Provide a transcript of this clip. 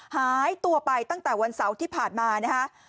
หายตัวไปตั้งแต่วันเสาร์ที่ผ่านมานะฮะ